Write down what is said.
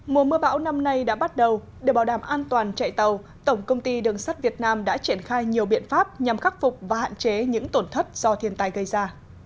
mùa mưa bão năm nay đã bắt đầu để bảo đảm an toàn chạy tàu tổng công ty đường sắt việt nam đã triển khai nhiều biện pháp nhằm khắc phục và hạn chế những tổn thất do thiên tai gây ra